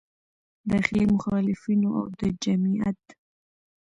داخلي مخالفینو او د جمعیت